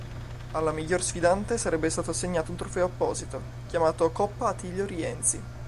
Alla miglior sfidante sarebbe stato assegnato un trofeo apposito, chiamato "Coppa Atilio Rienzi".